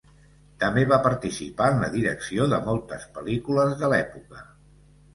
També va participar en la direcció de moltes pel·lícules de l’època.